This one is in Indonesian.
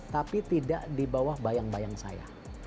tapi tidak di bawah bayang bayang saya